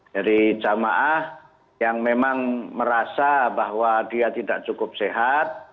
jadi jamaah yang memang merasa bahwa dia tidak cukup sehat